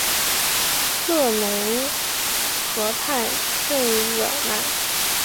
勒农河畔圣日耳曼。